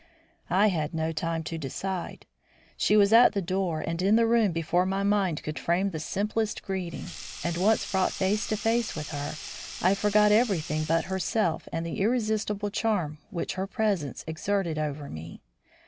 I had no time to decide. She was at the door and in the room before my mind could frame the simplest greeting; and, once brought face to face with her, I forgot everything but herself and the irresistible charm which her presence exerted over me.